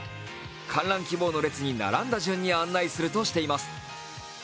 観覧希望の列に並んだ順に案内するとしています。